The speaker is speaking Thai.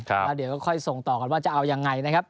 แล้วเดี๋ยวก็ค่อยส่งต่อกันว่าจะเอายังไงนะครับ